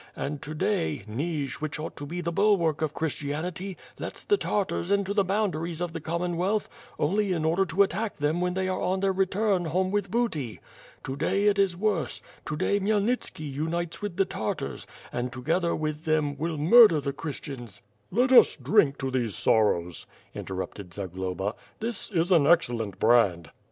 and to day— Nij, which ought to be the bulwark of Christianity lets the Tartars into the boundaries of the Commonwealth only in order to attack them when they are on their return home with booty. To day it is worse; to day Khmyelnitski 'A Bonr Polish soup. 108 "WiTH FIRE AND 8W0RD, unites with the Tartars, and, together with them, will mur der the Christians. ..." "Let us drink to these sorrows," interrupted Zagloba, "this is an excellent brand."